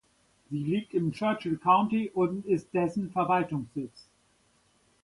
Sie liegt im Churchill County und ist dessen Verwaltungssitz.